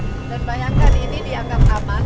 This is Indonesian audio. dan bayangkan ini dianggap aman